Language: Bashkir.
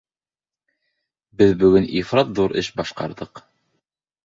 Беҙ бөгөн ифрат ҙур эш башҡарҙыҡ.